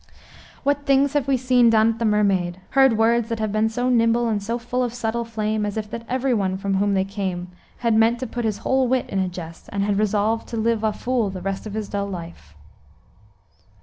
"What things have we seen Done at the Mermaid; heard words that have been So nimble and so full of subtle flame, As if that every one from whom they came Had meant to put his whole wit in a jest, And had resolved to live a fool the rest Of his dull life."